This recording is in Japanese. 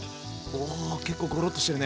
うわ結構ゴロッとしてるね。